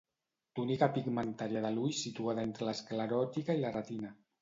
Túnica pigmentària de l'ull situada entre l'escleròtica i la retina.